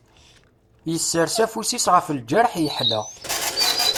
Yessers afus-is ɣef lǧerḥ yeḥla.